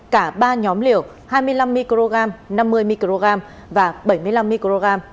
cả ba nhóm liều hai mươi năm mg năm mươi mg và bảy mươi năm mg